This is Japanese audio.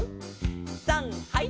さんはい！